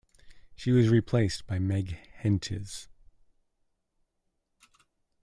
She was replaced by Meg Hentges.